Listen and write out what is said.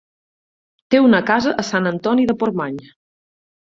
Té una casa a Sant Antoni de Portmany.